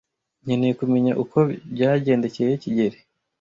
Nkeneye kumenya uko byagendekeye kigeli.